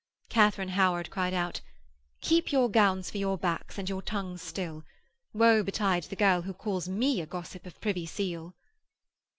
Katharine Howard cried out, 'Keep your gowns for your backs and your tongues still. Woe betide the girl who calls me a gossip of Privy Seal.'